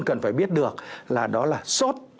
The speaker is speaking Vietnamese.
cần phải biết được là đó là suốt